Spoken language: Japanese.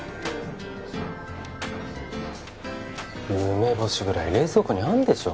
梅干しぐらい冷蔵庫にあんでしょ